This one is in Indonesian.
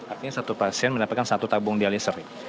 artinya satu pasien mendapatkan satu tabung dialiser